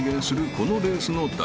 このレースの大